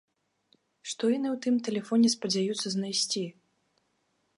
Што яны ў тым тэлефоне спадзяюцца знайсці?